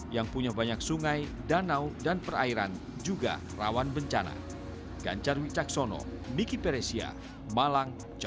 yang punya banyak sungai danau dan perairan juga rawan bencana